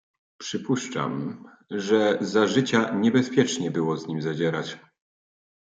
"Przypuszczam, że za życia niebezpieczne było z nim zadzierać."